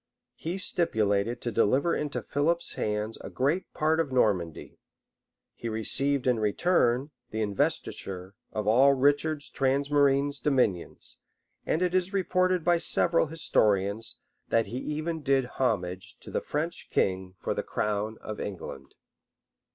He stipulated to deliver into Philip's hands a great part of Normandy:[*] he received, in return, the investiture of all Richard's transmarine dominions; and it is reported by several historians, that he even did homage to the French king for the crown of England.